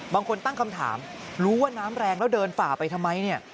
บางคนตั้งคำถามรู้ว่าน้ำแรงแล้วเดินฝ่าไปทำไมเนี่ย